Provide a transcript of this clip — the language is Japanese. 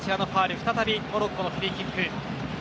再びモロッコのフリーキック。